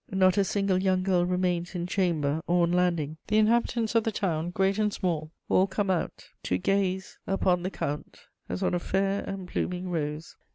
Not a single young girl remains in chamber or on landing; the inhabitants of the town, great and small, all come out to gaze upon the count as on a fair and blooming rose."